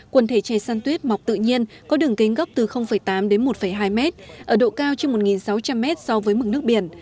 quần thể trẻ san tuyết mọc tự nhiên có đường kính gốc từ tám đến một hai m ở độ cao trên một sáu trăm linh m so với mực nước biển